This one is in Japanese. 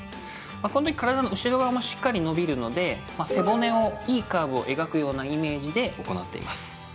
このとき体の後ろ側もしっかり伸びるので背骨をいいカーブを描くようなイメージで行っています。